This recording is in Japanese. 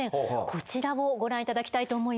こちらをご覧頂きたいと思います。